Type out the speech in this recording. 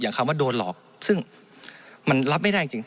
คำว่าโดนหลอกซึ่งมันรับไม่ได้จริง